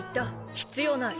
必要ない。